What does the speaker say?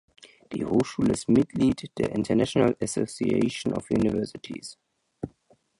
Die Hochschule ist Mitglied der International Association of Universities.